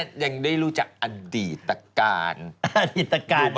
ฉันยังได้รู้จักอดีตการ